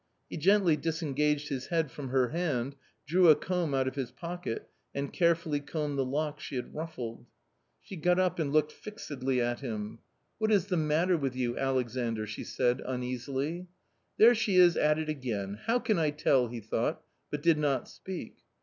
He gently disengaged his head from her hand, drew a comb out of his pocket, and carefully combed the locks she had ruffled. She got up and looked fixedly at him. A COMMON STORY 187 "What is the matter with you, Alexandr?" she said uneasily. " There she is at it again ! how can I tell ?" he thought, but did not speak.